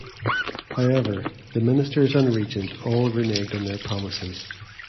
However the ministers and regent all reneged on their promises.